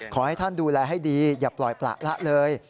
ขอให้ท่านดูแลให้ดีอย่าปล่อยประละเลย